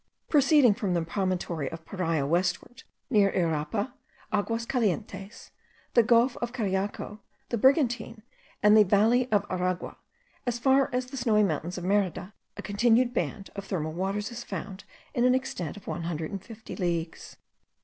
Proceeding from the promontory of Paria westward, by Irapa, Aguas Calientes, the gulf of Cariaco, the Brigantine, and the valley of Aragua, as far as the snowy mountains of Merida, a continued band of thermal waters is found in an extent of 150 leagues.